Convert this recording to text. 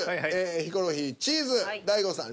ヒコロヒー「チーズ」大悟さん